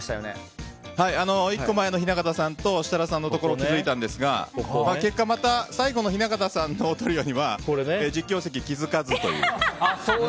１個前の雛形さんと設楽さんのところは気付いたんですが結果、また最後の雛形さんのオートリオは実況席、気付かずという。